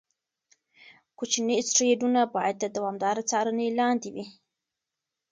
کوچني اسټروېډونه باید د دوامداره څارنې لاندې وي.